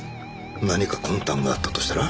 何か魂胆があったとしたら？